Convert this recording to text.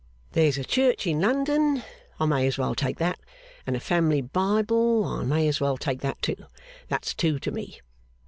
'There's a Church in London; I may as well take that. And a Family Bible; I may as well take that, too. That's two to me.